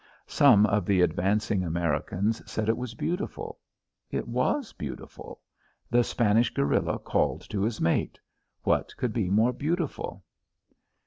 Some of the advancing Americans said it was beautiful. It was beautiful. The Spanish guerilla calling to his mate. What could be more beautiful?